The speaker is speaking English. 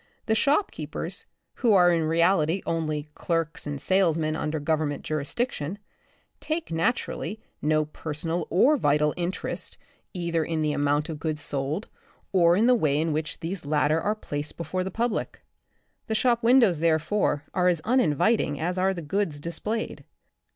The shop keep ers, who are in reality only clerks and sales men under government jurisdiction, take naturally, no personal or vital interest either 22 The Republic of the Future, in the amount of goods sold, or in the way in which these latter are placed before the public. The shop windows, therefore, are as uninviting as are the goods displayed.